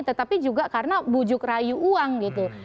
tetapi juga karena bujuk rayu uang gitu